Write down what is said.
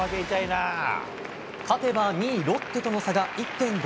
勝てば２位、ロッテとの差が１．５